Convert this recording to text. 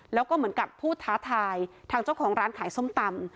แล้วก็เหมือนกับพูดท้าทายทางเจ้าของร้านขายส้มตำ